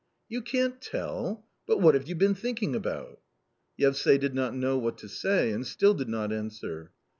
"You can't tell! But what have you been thinking about?" Yevsay did not know what to say, and still did not answer.